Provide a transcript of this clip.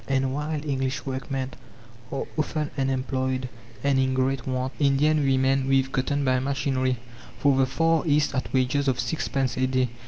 And while English workmen are often unemployed and in great want, Indian women weave cotton by machinery, for the Far East at wages of six pence a day.